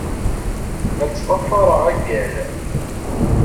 La ttḍafareɣ agal.